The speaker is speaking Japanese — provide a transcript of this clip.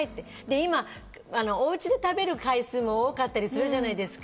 今、おうちで食べる回数も多かったりするじゃないですか。